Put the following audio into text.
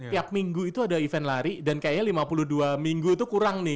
tiap minggu itu ada event lari dan kayaknya lima puluh dua minggu itu kurang nih